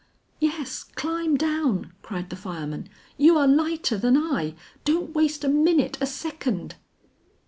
"Yes, climb down," cried the fireman, "you are lighter than I. Don't waste a minute, a second."